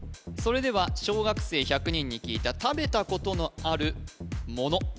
それでは小学生１００人に聞いた食べたことのあるもの